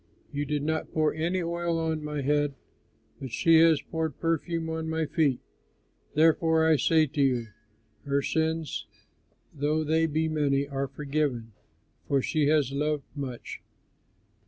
You did not pour any oil on my head, but she has poured perfume on my feet. Therefore, I say to you, her sins, though they be many, are forgiven, for she has loved much.